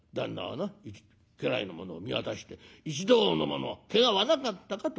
はな家来の者を見渡して『一同の者けがはなかったか』とおっしゃった。